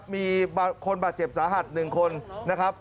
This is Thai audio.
มีคนบาดเจ็บสาหัส๑คนนะครับ